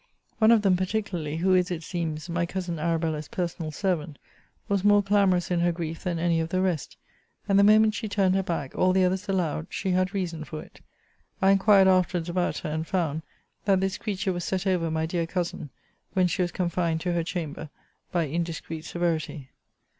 One of them particularly, who is, it seems, my cousin Arabella's personal servant, was more clamorous in her grief than any of the rest; and the moment she turned her back, all the others allowed she had reason for it. I inquired afterwards about her, and found, that this creature was set over my dear cousin, when she was confined to her chamber by indiscreet severity.